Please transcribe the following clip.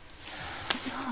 そう。